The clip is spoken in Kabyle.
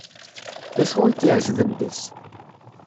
D acu i k-iεeǧben deg-s.